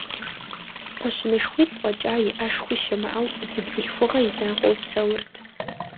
КхъуэщынышхуитӀ фӀэкӀа, иӀэшхуи щымыӀэу, зы бзылъхугъэ и закъуэу псэурт.